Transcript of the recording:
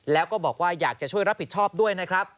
แล้วก็บอกว่าอยากจะช่วยรับผิดชอบด้วยนะครับ